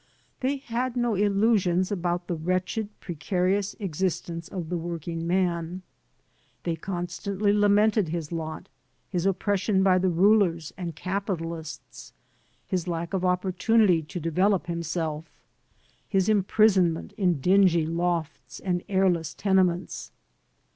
They had no illusions about the wretched, precarious existence of the working man. They con stantly lamented his lot, his oppression by the rulers and capitalists, his lack of opportunity to develop himself, his imprisonment in dingy lofts and airless tenements.